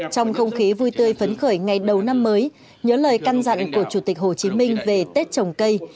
trong không khí vui tươi phấn khởi ngày đầu năm mới nhớ lời căn dặn của chủ tịch hồ chí minh về tết trồng cây